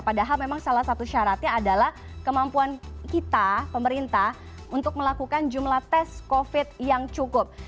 padahal memang salah satu syaratnya adalah kemampuan kita pemerintah untuk melakukan jumlah tes covid yang cukup